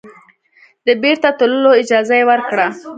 د بیرته تللو اجازه یې ورکړه.